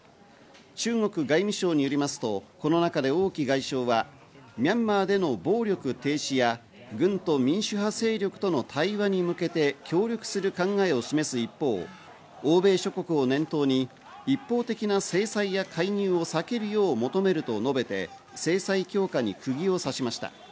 中国外務省によりますと、この中でオウ・キ外相はミャンマーでの暴力停止や軍と民主派勢力との対話に向けて協力する考えを示す一方、欧米諸国を念頭に、一方的な制裁や介入を避けるよう求めると述べて制裁強化に釘を刺しました。